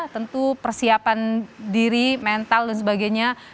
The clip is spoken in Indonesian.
tentu persiapan diri mental dan sebagainya